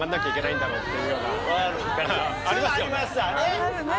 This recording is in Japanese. ありますよね。